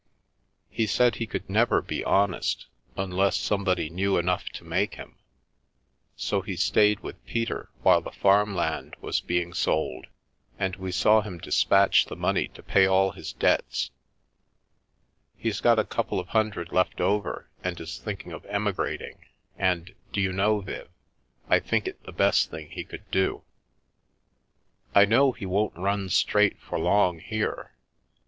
He said he could never be honest, un less somebody knew enough to make him, so he stayed with Peter while the farm land was being sold, and we saw him dispatch the money to pay all his debts. He's got a couple of hundred left over and is thinking of emigrating, and, do you know, Viv, I think it the best thing he could do. I know he won't run straight for A Long Lost Parent long here.